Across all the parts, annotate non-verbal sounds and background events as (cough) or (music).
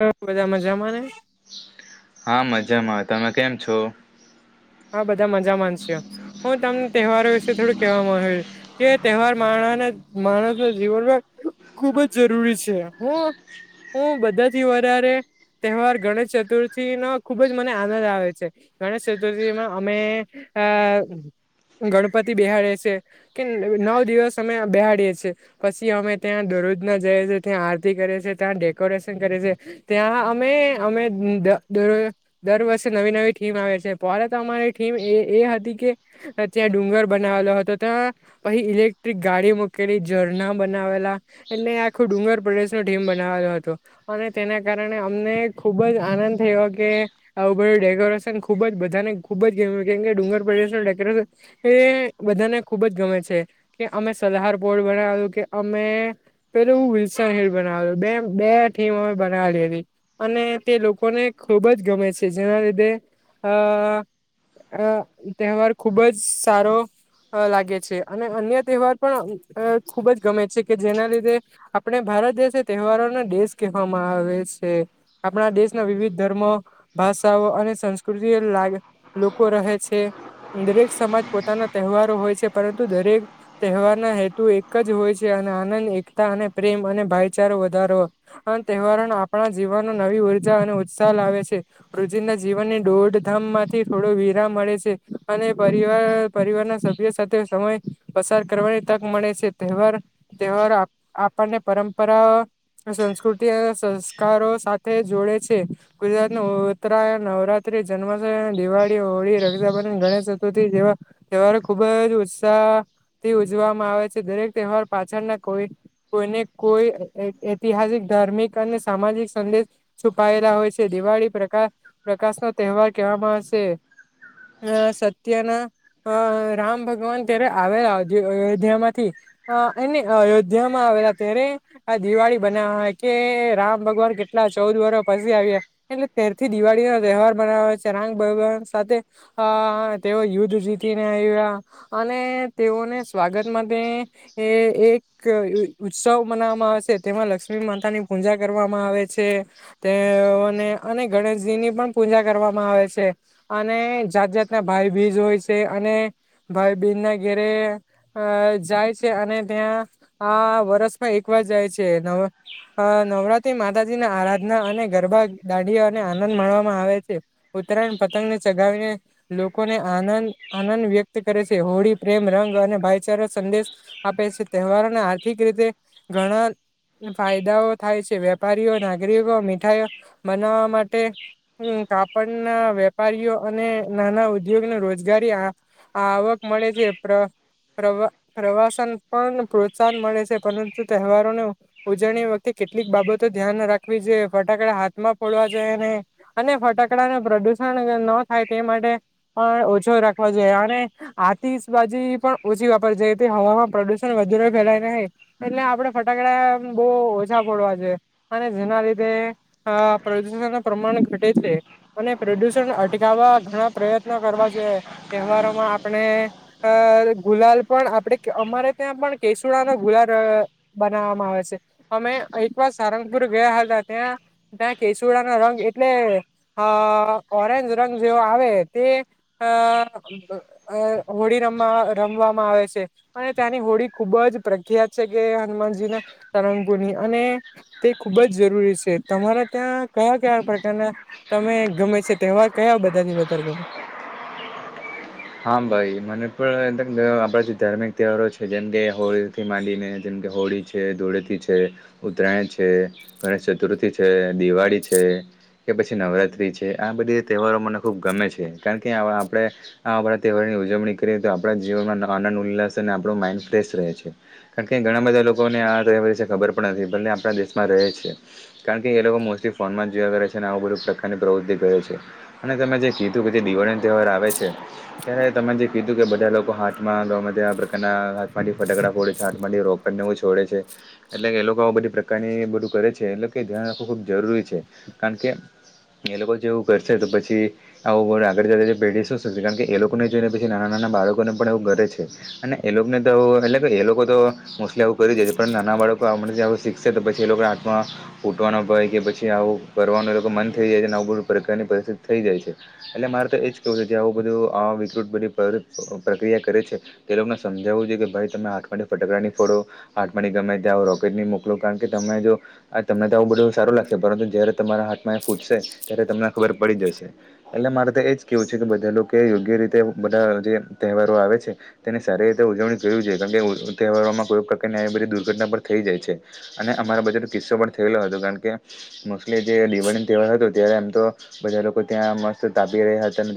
બધા મજામાં ને હા મજામાં તમે કેમ છો હા બધા મજા માન છ હું તમને તહેવારો વિશે થોડું કેહે માં કે તહેવાર મા માણસ ના જીવન ખુબ જ જરૂરી છે હું હું બધા થી વરા રે તહેવાર ગણેશ ચતુર્થી નો ખુબ જ મને આનંદ આવે છે ગણેશ ચતુ એ અમે આ ગણપતિ બેસાડીએ છીએ, નવ દિવસ અમે બેસાડીએ છીએ, પછી અરજના જાય છે ત્યાં આરતી કરીએ છીએ, ત્યાં ડેકોરેશન કરીએ છીએ, અમે, અમે. દ દરેક વર્ષે નવી નવી થીમ આવે છે. પરત અમારી ટીમ એ હતી કે ત્યાં ડુંગર બનાવેલો હતો ત્યાં પ ઇલે ઇલેક્ટ્રિક ગાડી મૂકેલી ઝરણા બનાવેલા એટલે આખો ડુંગર પ્રદેશ નો ટીમ બનાવેલો હતો અને તેના કારણે અમને ખુબ જ આનંદ થયો કે આવું બધું ડેકોરેશન ખુબ જ બધું બધાને ખુબજ ગમે કેમકે ડુંગર પ્રદેશ ડેરેશન એ બધાને ખુબ જ ગમે છે અમે સદહાર પોોર્ડ બનાવું કે અમે પે હું વિલસ હ બનાવે બે બે ટીમ અ બનાવેલી હતી અને તે લોકોને ખુબ જ ગમે છે જેના લીધે અ આ અ તહેવાર ખુબ જ સારો અ લાગે છે અને અન્ય તહેવાર પણ અ ખુબ જ ગમે છે કે જેના લીધે આપણે ભારત દેશ એ તહેવારોનો દેશ કહેવામાં આવે છે આપણા દેશના વિવિધ ધર્મો ભાષાઓ અને સંસ્કૃતિ લાગે લોકો રહે છે દરેક સમાજ પોતાના તહેવારો હોય છે પરંતુ દરેક તહેવારના હેતુ એક જ હોય છે અને આનંદ એકતા અને પ્રેમ અને ભાઈચારો વધારો આ તહેવારો આપણા જીવન નવી ઊર્જા અને ઉત્સાહ લાવે છે રોજિંદા જીવનની દોડધામ માંથી થોડો વિરામ મળે છે અને પરિવાર પરિવારના સભ્ય સાથે સમય પસાર કરવાની તક મળે છે તહેવાર તહેવાર આ આપણને પરંપરાઅ સંસ્કૃતિ અ સંસ્કારો સાથે જોડે છે ગુજરાતનો ઉત્તરાયણ નવરાત્રી જન્માષય દિવાળી હોળી રતાબંધ ગણેશ ચતુર્થી જેવા તહેવારો ખુબ જ ઉત્સાહ થી ઉજવામાં આવે છે દરેક તહેવાર પાછળ ના કોઈ કોઈને કોઈ એત ઐતિહાસિક ધાર્મિક અને સામાજિક સંદેશ છુપાયેલા હોય છે દિવાળી પ્રકા પ્રકાશ નો તહેવાર કહેવામાં આવશે અ સત્યના અ રામ ભગવાન ત્યારે આવેલા અયોધ્યા માંથી અ એને અયોધ્યા માં આવેલા ત્યારે આ દિવાળી બના્યા હોય કે રામ ભગવાન કેટલા એટલા ચૌદ વર્ષ પછી આવ્યા એટલે તારથી દિવાળી ના તહેવાર બનાવે છે રાંમભગવાન સાથે અ તેઓ યુદ્ધ જીતીને આવ્યા અને તે તેઓને સ્વાગત માટે એ એ એક ઉત્સવ મનાવામાં આવે તેમાં લક્ષ્મી માતા ની પૂજા કરવામાં આવે છે તેઓ અને ગણેશજી ની પણ પૂજા કરવામાં આવે છે અને જાત જાતના ભાઈ બીજ હોય છે અને ભાઈ બન ના ઘરે અ જાય છે અને ત્યાં આ વર્ષમાં એકવાર મા જાય છે નવા અ નવરાત્રી માતાજી ના આરાધના અને ગરબા ડાંડીયા અને આનંદ માણવા માઆવે છે ઉત્તરાયણ પતંગને ચગાવીને લોકોને આનંદ આનંદ વ્યક્ત કરે છે હોળી પ્રેમ રંગ અને ભાઈચારા સંદેશ આપે છે તહેવારોને આર્થિક રીતે ઘણા ફાયદાઓ થાય છે વેપારીઓ નાગરિકો મીઠાઈઓ બનાવવા માટે હું કાપડ ના વેપારીઓ અને નાના ઉદ્યોગને રોજગારી આ આવક મળે છે પ્ર પ્રવા પ્રવાસન પણ પ્રોત્સાહન મળે છે પરંતુ તહેવારોને ઉજવણી વખતે કેટલીક બાબતો ધ્યાન રાખવું જોઈએ. ફટાકડા હાથમાં ફોડવા જોઈએ નહીં. અને ફટાકડા ન પ્રદુષણ ન થાય તે માટે પણ ઓછો રાખ હોજ અને આત ત્રીસ બાજી પણ ઓછી વાપરી જાય હવામાં પ્રદુષણ વધુ ફેલાય ન એટલે આપડે ફટાકડા બહુ ઓછા ફોડવા જોઈએ અને જેના લીધે અપ્રદૂષણનું પ્રમાણ ઘટે છે અને પ્રદૂષણ અટકાવવા ઘણા પ્રયત્નો કરવા જોઈએ તહેવારોમાં આપણે અ ગુલાલ પણ આપણે અમારે ત્યાં પણ કેસુડા નો ગુલાલ બનાવવામાં આવે છે અમે તઈ એકવાર સારંગપુર ગયા હતા ત્યાં ત્યાં કેસુડાના રંગ એટલે આ ઓરેન્જ રંગ જેવ આવે તે અઅઅ હોળી રમ રમવામાં આવે છે અને ત્યાંની હોળી ખુબ જ પ્રખ્યાત છે કે હનુમાનજી ના રંગગુરની અને તે ખુબ જ જરૂરી છે તમારા ત્યાં કયા કયા પ્રકાર તને તમે ગમે છે તહેવાર કયા બધાથી વધારે ગમે હા ભાઈ મને પણ અધનધયઆપડા જે ધાર્મિક તહેવારો છે જેમ કે હોળી થી માંડીને તે હોળી છે ધૂળેથી છે ઉત્તરાયણ છે ગણેશ ચતુર્થી છે દિવાળી છે કે પછી નવરાત્રી છે આ બધી તહેવારો મને ખૂબ ગમે છે કારણ કે અ આપણે આ આપણા તહેવારની ઉજવણી કરીએ તો આપણાં જીવનમાં આનંદ ઉલ્લાસ અને આપણો માઇન્ડ ફ્રેશ રહે છે કારણ કે ઘણા બધા લોકોને આ તોવાશે ખબર પણ નથી ભલે આપણા દેશમાં રહે છે કારણ કે એ લોકો મોસ્ટલી ફોનમાં ે છે આવ બધ પ્રકારની પ્રવૃતિ કરે છે અને તમે જે કીધું કે દિવાળી તહેવાર આવે છે ત્યારે તમે જે કીધું કે બધા લોકો હાથમાં આ પ્રકારના હાથમાંથી ફટકડા ફોડે છે હાથમાંથી રો પપરનેવ છોડે છે એટલે કે એ લોકો આ બધી પ્રકારની એ બધું કરે છે એટલે કે ધ્યાન રાખવું ખૂબ જરૂરી છે કારણ કે એ લોકો જેવું કરશે તો પછી આવું આગળ જતા પેઢ શું શકશે કારણ કે એ લોકોને જોઈને પછી નાના નાના બાળકોને પણ એવું કરે છે અને એ લોકોને તો એટલે કે એ લોકો તો પલે આવવું કરી દે છે પણ નાના બાળકોને જે આવું શીખશે તો પછી એ લોકોને હાથમાં ઉટવાના ભય કે પછી આવું કરવાનું એ લોકો મન થઈ જાય છે અને આવું બધુ પ્રકારની પરિસ્થિતિ થઈ જાય છે એટલે મારે તો એજ કેવું છે કે આવું બધું અ વિકૃત બધી પ્રક્રિયા કરે છે તે લોકોને સમજાવવું જોઈએ કે ભાઈ તમે હાથમાંથી ફટકડાની ફોડો હા ગમે ત્યાં રોકેટ મોકલો કારણ કે તમે જો તમને તો આવું બધું સારું લાગશે પરંતુ જયારે તમારા હાથમાં ફૂટશે ત્યારે તમને ખબર પડી જશે એટલે મારે તો એ જ કેવું છે કે બધા કે યોગ્ય રીતે બધા જે તહેવારો આવે છે તેની સારી રીતે ઉજવણી કરવી જોઈએ કારણ કે તહેવારો ્યા દુઘટના થઈ જાય છે અને અમારા બજે કિસ્સો થયેલો હત કારણ કે મોસ્ટલી જે દિવાળી તહેવાર હતો ત્યારે એમ તો બધા લોકો ત્યાં મસ્ત તાપ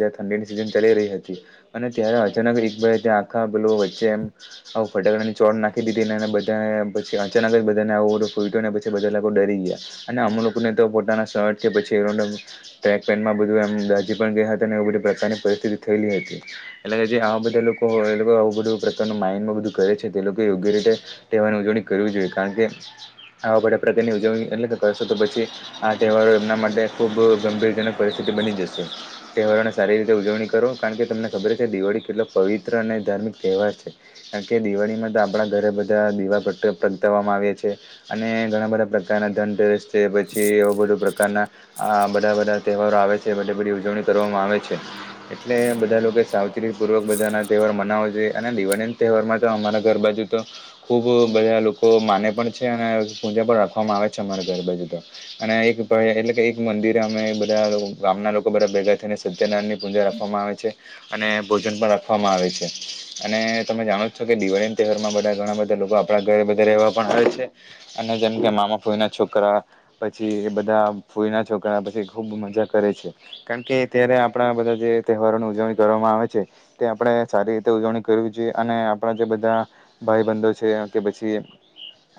ઠંડી રહી હતી અને ત્યારે અચાનક આખા બ વચ્ચે એમ ફટાકડાની નાખી દીધીધ પછી અચાનક જ બધાને ફૂલટ પછી બધા લોકો ડરી ગયા અને હમ પ પેમાંમ દાજી પણ ગયા પરિસ્િત થયેલી હતી એટ જે આવા બધા લોકો એ આવું બધું પ્રકારનું માઇન્ડમાં બધું કરે છે તે લોકો યોગ્ય રીતે તેટેવાની ઉજવણી કરવી જોઈએ કારણ કે આવા બડા પ્રકારની ઉજવણી એટલે કે કરશો તો પછી આ તહેવારો એમના માટે ખૂબ ગંભીરજનક પરિસ્થિતિ બની જશે તહેવારોને સારી ઉજવણી કરો કારણ કે તમને ખબર છે દિવાળી કેટલો પવિત્ર અને ધાર્મિક તહેવાર છે કારણ કે દિવાળીમાં આપણા ઘરે બધા દીવાગ પ્રગટાવવામાં આવે છે અને ઘણા બધા પ્રકારના ધનસ તે પછી એવ બધો પ્રકારના બધા બધા તહેવારો આવે છે બધી બધી ઉજવણી કરવામાં આવે છે ઓ એટલે બધા લોકો સાવચ્રી પૂર્વક બધા તહેવાર મનાવો છે અને દિવાળી ના તહેવારમાં તો અમારા ઘર બાાજુ તો ખુબ બધા લોકો માને પણ છે અને પૂજા પણ રાખવામાં આવે છે અમારા ઘર બાજુ તો અને એક એટલે કે એક મંદિર અમે બધા ગામના લોકો બધા ભેગા થઈને સ તેનાની પૂજા રાખવામાં આવે છે અને ભોજન પણ રાખવામાં આવે છે અને તમે જાણો છો કે દિવાળી ના તહેવારમાં બધા ઘણા બધા લોકો આપણા ઘર વા અને જેમ કે મામા ફૂઈના છોકરા પછી બધા ફઈના છક પછી ખુબ મજા કરે છે કારણ કે ત્યારે આપણા બધા જે તહેવારોની ઉજવણી કરવામાં આવે છે તે આપણેે સારી રીતે ઉજવણી કરવી જોઈએ અને આપણા જેધા બધા ભાઈ બંધો છે કે પછી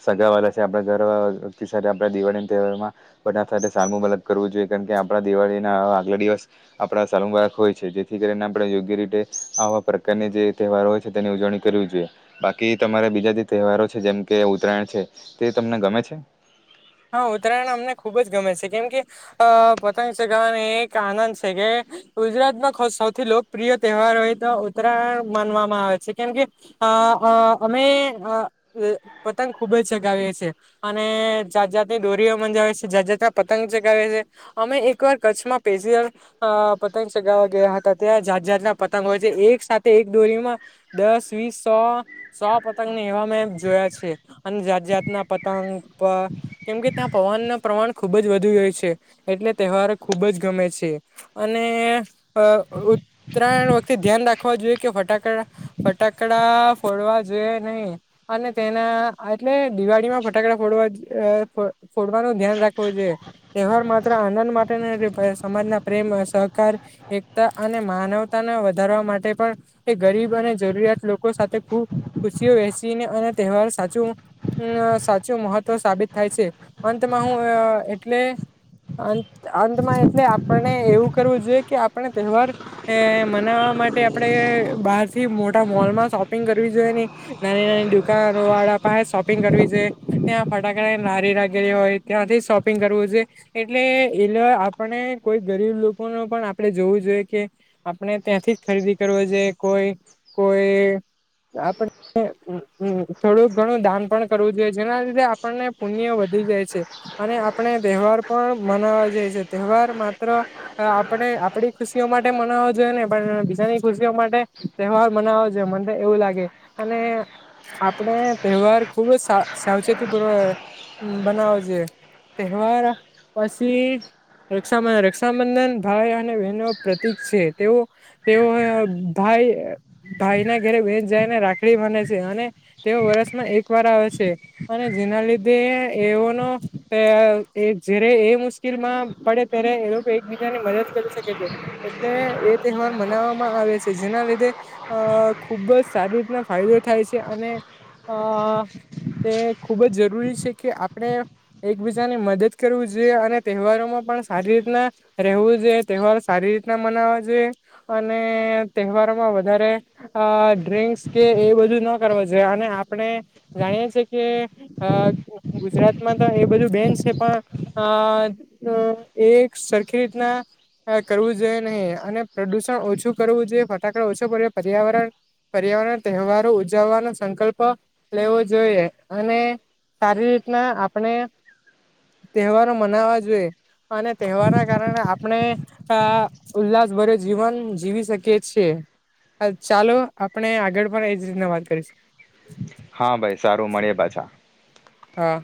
સગા વાળા છે આપડા ઘરતિ સાથે આપ દિવાળી તહેવારમાં બધા સાથે સામું અલગ કરવું જોઈએ કારણ કે આપણા દિવાળી ના આગલા દિવસ આપણા સાલુ બાળક હોય છે જેથી કરીને આપણે યોગ્ય રીતે આવા પ્રકારની જે તહેવારો હોય છે તેની ઉજવણી કરી બાકી તમારે બીજા જે તહેવારો છે જેમ કે ઉત્તરાયણ છે તે તમને ગમે છે હા ઉત્તરાયણ અમને ખુબ જ ગમે છે કેમ કે અ પતંગ ચગાવવાને એક આનંદ છે કે ગુજરાતમાં સૌથી લોકપ્રિય તહેવાર હોય તો ઉત્તરાય માનવામાં આવે છે કેમ કે અ અ અમે પતંગ ખૂબ જ સગાવીએ છેીએ અને જાત જાાતની દોરીઓ મજાવે છે જાત જાાતના પતંગ ચગાવે છે અમે એકવાર કચ્છમાં પેશ પતંગ સગાવવા ગયા હતા ત્યાં જાત જાાતના પતંગ હોય છે એક સાથે એક દોરીમાં દસ વીસ સો સો પતંગને એવા મેં જોયા છે અને જાત જાત ના પતંગ કેમ કે ત્યાં પવન ન પ્રમાણ ખુબ જ વધુ હોય છે એટલે તહેવાર ખુબ જ ગમે છે અને ઉત્તરાયણ વખતે ધ્યાન રાખવા જોઈએ કે ફટાકડા ફટાકડા ફોડવા જોઈએ નહી અને તેના એટલે દિવાળીમાં ફટાકડા ફોડવા ફોડવાનું ધ્યાન રાખવું જોઈએ તહેવાર માત્ર આનંદ માટે સમાજ ના પ્રેમ સહકાર એકતા અને માનવતાને વધારવા માટે પણ એ ગરીબ અને જરૂરિયાત લોકો સાથે ખુબ ખુશીઓ વહેસીને અને તહેવાર સાચો સાચો મહવ તો સાબિત થાય છે અંતમાં હું એટલે અ અંતમાં એટલે આપને એવું કરવું જોઈએ કે આપણે તહેવાર મના માટે આપણે બહાર થી મોટા મોલમાં શોપિંગ કરવી જોઈએ, ને નાની નાની દુકાનો વાળા શોપિંગ કરવી જો ત્યાં ફટાકડા નાારી લાગેલી હોય ત્યાંથી શોપિંગ કરવું જોઈએ, એટલે એલે આપણે કોઈ ગરીબ લોકો ન પણ આપણે જોવું જોઈએ, કે આપણે ત્યાંથી જ ખરીદી કરવા જોઈએ કોઈ કોઈ આપડ થોડું ઘણું દાન પણ કરવું જોઈએ, જેના લીધે આપણને પુણ્ય વધી જાય છે, અને આપણે તહેવાર પણ મનાવા જાય છે, તહેવાર માત્ર આપણે આપડી ખુશીઓ માટે મનાવ જોઈએ, ને પણ બીજાની ખુશીઓ માટે તહેવાર મનાવ મને એવું લાગે અને આપણે તહેવાર ખુબ સાવચેતી (unintelligible) વ બનાવ છે તહેવાર પછી રાબંધન રક્ષાબંધન ભાઈ અને બહેનો પ્રતિક છે, તેઓ તેઓ ાઈ ભાઈના ઘરે બેચ જાયને રાખડી માને છે, અને તેઓ વરષમાં એક વાર આવે છે અને જેના લીધે એઓનો જારે એ મુશ્કેલમાં પડે ત્યારે એ લોકો એકબીજા ની મદદ કરી શકે છે, એટલે એ તહેવાર મનાવામાં આવે છે, જેના લીધે અ ખુબ જ સારી રીતના ફાયદો થાય છે, અને અ તે ખૂબ જ જરૂરી છે, કે આપણે એકબીજાની મદદ કરવીું જોઈએ, અને તહેવારોમાં પણ સારી ર રહેવું જોઈએ તહેવાર સારી રીતના મનાવ જોઈએ, અને તહેવારોમાં વધારે ડ્રિંક્સ કે એ બધું ના કરવું જોઈએ, અને આપણે જાણીએ છીએ કે હા, ગુજરાતમાં તો એ બધું બેન છે, પણ આ એ સરખી રીતના કરવું જોઈએ, નહી અને પ્રદુષણ ઓછું કરવું જોઈએ ફટાકડા ઓછો પ પર્યાવરણ પર્યાવરણ તહેવારો ઉજવવાનો સંકલ્પ લેવો જોઈએ, અને સારી રીતના આપણે તહેવારો મનાવા જોઈએ, અને તહેવારના કારણે આપણે ઉલ્લાસભર જીવન જીવી શકીએ છીએ. (unintelligible) ચાલો આપણે આગળ પણ એજ રીતના વાત કરીશ હા, ભાઈ સારું મળે પાછા હા,